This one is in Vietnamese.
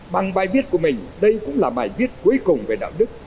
bằng bài viết của mình đây cũng là bài viết cuối cùng về đạo đức